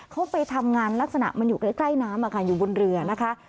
เขาไปทำงานลักษณะมันอยู่ใกล้น้ำอยู่บนเรือนะคะ